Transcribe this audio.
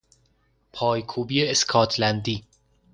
پایکوبی اسکاتلندی